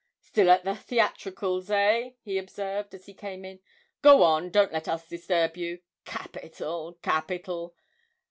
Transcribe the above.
'Still at the theatricals, eh?' he observed, as he came in. 'Go on, don't let us disturb you. Capital, capital!'